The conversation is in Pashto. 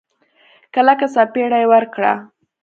کلکه سپېړه يې ورکړه.